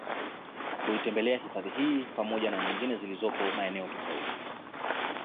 kuitembelea hifadhi hii pamoja na nyingine ziolizopo maeneo tofauti